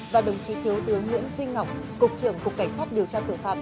và đồng chí thiếu tướng nguyễn duy ngọc cục trưởng cục cảnh sát điều tra tội phạm